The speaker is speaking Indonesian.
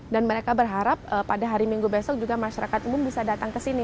dan mereka berharap pada hari minggu besok juga masyarakat umum bisa datang ke sini